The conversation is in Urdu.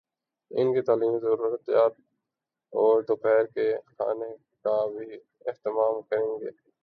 ان کی تعلیمی ضروریات اور دوپہر کے کھانے کا بھی اہتمام کریں گی۔